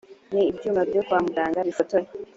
ni ibyuma byo kwa muganga bifotora